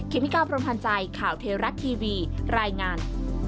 เคมิการ์พร้อมพันธ์ใจข่าวเทรัตน์ทีวีรายงาน